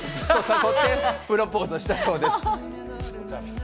これでプロポーズしたそうです。